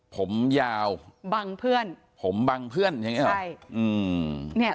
ผมยาวบังเพื่อนผมบังเพื่อนใช่ไหม